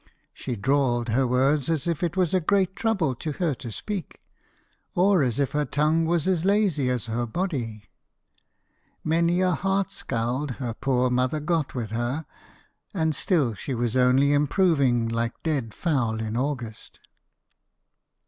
She drawled her words as if it was a great trouble to her to speak, or as if her tongue was as lazy as her body. Many a heart scald her poor mother got with her, and still she was only improving like dead fowl in August.